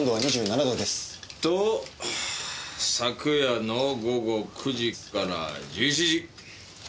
と昨夜の午後９時から１１時！